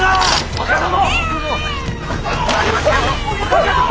若殿！